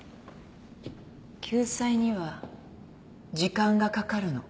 救済には時間がかかるの。